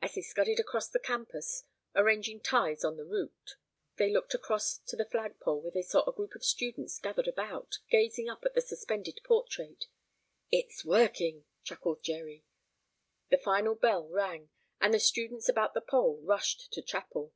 As they scudded across the campus, arranging ties on the route, they looked across to the flagpole, where they saw a group of students gathered about, gazing up at the suspended portrait. "It's working!" chuckled Jerry. The final bell rang, and the students about the pole rushed to chapel.